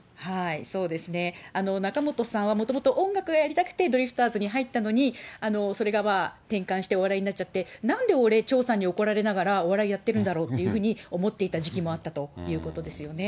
仲本さんはもともと音楽がやりたくてドリフターズに入ったのに、それが転換してお笑いになっちゃって、なんで俺、長さんに怒られながらお笑いやってるんだろうっていうふうに思っていた時期もあったということですよね。